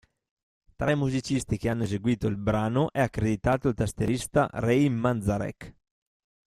Tra i musicisti che hanno eseguito il brano è accreditato il tastierista Ray Manzarek.